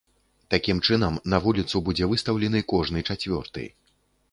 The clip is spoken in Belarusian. Такім чынам, на вуліцу будзе выстаўлены кожны чацвёрты.